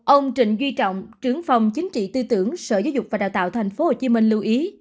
ông trịnh duy trọng trưởng phòng chính trị tư tưởng sở giáo dục và đào tạo tp hcm lưu ý